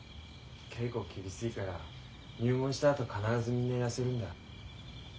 稽古厳しいから入門したあと必ずみんな痩せるんだ。